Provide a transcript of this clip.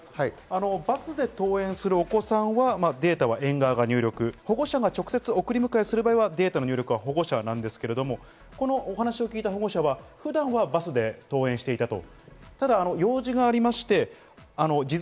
バスで登園するお子さんは、データは園側が入力、保護者が直接送り迎えする場合はデータの入力は保護者なんですけれども、このお話を聞いた保護者は普段は車で通っていたと。